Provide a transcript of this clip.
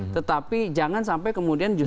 tetapi jangan sampai kemudian justru